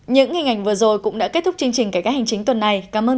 những hình ảnh vừa rồi cũng đã kết thúc chương trình cải cách hành chính tuần này cảm ơn